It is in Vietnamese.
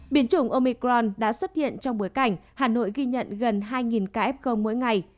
biến chủng omicron đã xuất hiện trong bối cảnh hà nội ghi nhận gần hai kf mỗi ngày